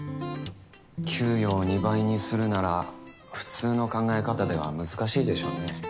給与を２倍にするなら普通の考え方では難しいでしょうね。